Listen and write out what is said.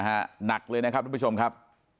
หนักเลยนะครับทุกผู้ชมครับ